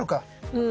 うん。